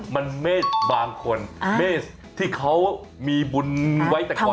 มันเมฆบางคนเมษที่เขามีบุญไว้แต่ก่อน